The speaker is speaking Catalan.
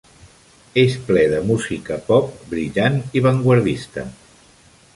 És ple de música pop brillant i vanguardista.